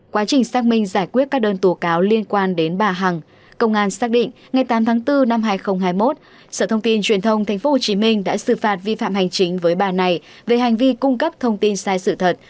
quá trình xác minh giải quyết các đơn tố cáo liên quan đến bà hằng công an xác định ngày tám tháng bốn năm hai nghìn hai mươi một sở thông tin truyền thông tp hcm đã xử phạt vi phạm hành chính với bà này về hành vi cung cấp thông tin sai sự thật